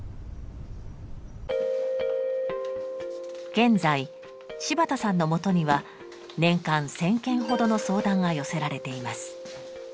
現在柴田さんのもとには年間１，０００件ほどの相談が寄せられています。